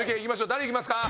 誰いきますか？